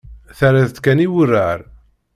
Terriḍ-tt kan i wurar.